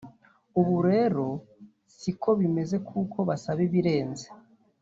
ubu rero si ko bimeze kuko basaba ibirenze